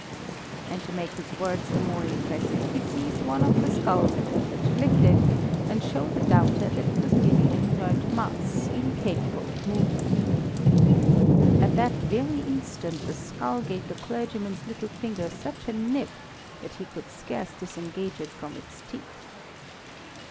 "And, to make his words the more impressive, he seized one of the skulls in order to lift it, and show the doubter that it was merely an inert mass, incapable of movement. "At that very instant the skull gave the clergyman's little finger such a nip that he could scarce disengage it from its teeth.